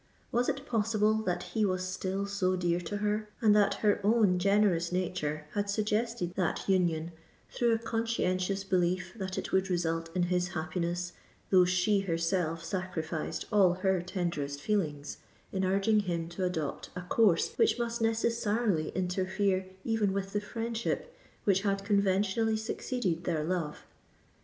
Was it possible that he was still so dear to her, and that her own generous nature had suggested that union through a conscientious belief that it would result in his happiness, though she herself sacrificed all her tenderest feelings in urging him to adopt a course which must necessarily interfere even with the friendship which had conventionally succeeded their love?